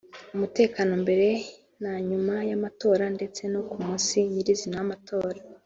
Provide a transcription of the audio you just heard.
umutekano mbere na nyuma y’amatora ndetse no ku munsi nyir’izina w’amatora